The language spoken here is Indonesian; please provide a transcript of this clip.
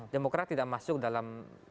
demokrat tidak masuk dalam